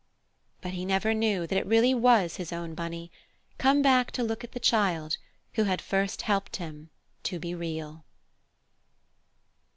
But he never knew that it really was his own Bunny, come back to look at the child who had first helped him to be Real.